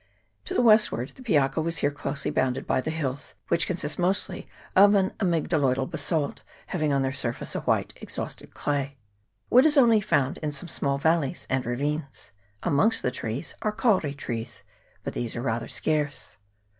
To the westward the Piako was here closely bounded by the hills, which consist mostly of an amygdaloidal basalt, having on their surface a white exhausted clay. Wood is only found in some small valleys and ravines. Amongst the trees are kauri trees, but these are rather scarce.